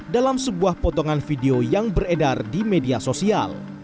dalam sebuah potongan video yang beredar di media sosial